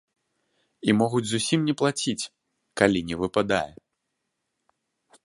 І могуць зусім не плаціць, калі не выпадае.